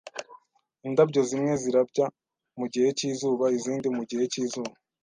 Indabyo zimwe zirabya mugihe cyizuba izindi mugihe cyizuba.